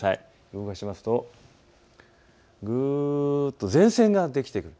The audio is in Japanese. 動かしますと、ぐっと前線ができてくる。